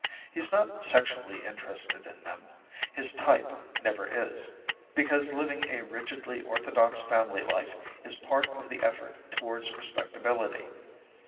He's not sexually interested in them his type never is, because living a rigidly orthodox family life is part of the effort towards respectability.